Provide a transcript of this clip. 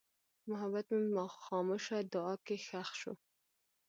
محبت مې په خاموشه دعا کې ښخ شو.